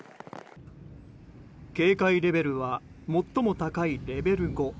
警戒レベルは最も高いレベル５。